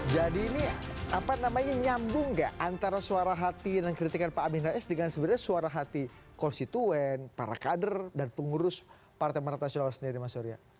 jadi ini apa namanya nyambung nggak antara suara hati dan kritikan pak amin rais dengan sebenarnya suara hati konstituen para kader dan pengurus partai marata sulawesi sendiri mas surya